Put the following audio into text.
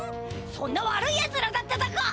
そんな悪いやつらだっただか！